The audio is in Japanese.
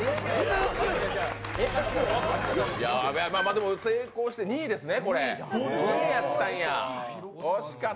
でも成功して２位ですね。